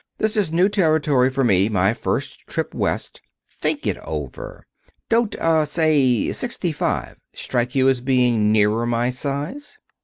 This is new territory for me my first trip West. Think it over. Don't er say, sixty five strike you as being nearer my size?"